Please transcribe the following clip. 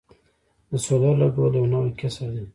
د سولر لګول یو نوی کسب دی